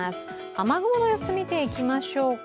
雨雲の様子、見ていきましょうか。